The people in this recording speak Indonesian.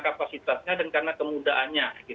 kapasitasnya dan karena kemudaannya